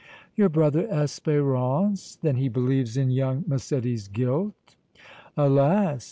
"Your brother Espérance! Then he believes in young Massetti's guilt?" "Alas!